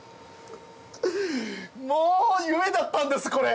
もう夢だったんですこれ！